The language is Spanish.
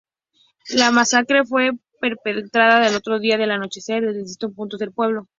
La masacre fue perpetrada el mismo día al anochecer, en distintos puntos del pueblo.